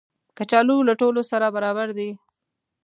کچالو له ټولو سره برابر دي